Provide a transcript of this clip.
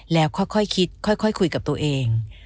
แล้วค่อยคิดค่อยคุยกับตัวเอง